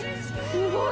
◆すごい。